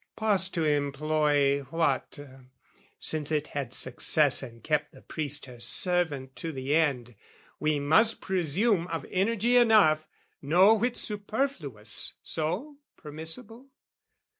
Pause to employ what, since it had success, And kept the priest her servant to the end, We must presume of energy enough, No whit superfluous, so permissible?